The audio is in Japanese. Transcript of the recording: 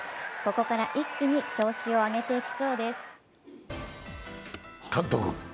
ここから一気に調子を上げていきそうです。